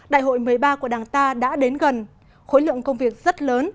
đại hội một mươi ba của đảng ta đã đến gần khối lượng công việc rất lớn